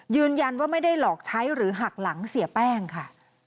ยืนยันว่าไม่ได้หลอกใช้หรือหักหลังเสียแป้งค่ะ